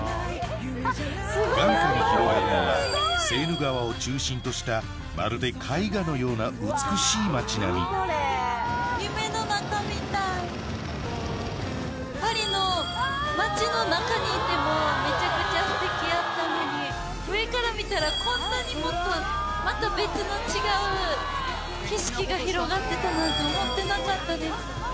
眼下に広がるのはセーヌ川を中心としたまるで絵画のような美しい街並みパリの街の中にいてもめちゃくちゃすてきやったのに上から見たらこんなにもっとまた別の違う景色が広がってたなんて思ってなかったです。